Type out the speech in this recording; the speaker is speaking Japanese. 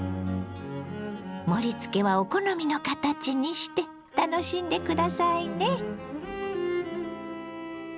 盛りつけはお好みの形にして楽しんで下さいね。